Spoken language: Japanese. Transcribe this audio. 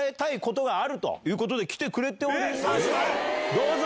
どうぞ！